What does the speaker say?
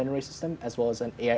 serta sistem penilaian ai